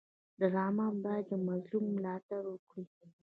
ډرامه باید د مظلوم ملاتړ وکړي